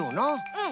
うん。